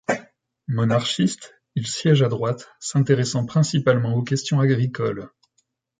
Monarchiste, il siège à droite, s'intéressant principalement aux questions agricoles.